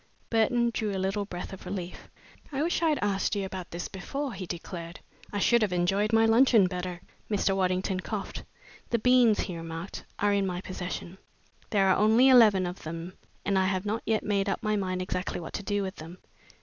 Burton drew a little breath of relief. "I wish I'd asked you about this before," he declared. "I should have enjoyed my luncheon better." Mr. Waddington coughed. "The beans," he remarked, "are in my possession. There are only eleven of them and I have not yet made up my mind exactly what to do with them."